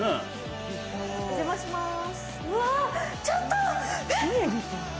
お邪魔します。